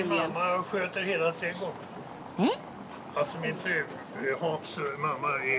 えっ？